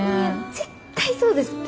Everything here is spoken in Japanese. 絶対そうですって！